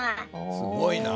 すごいなぁ。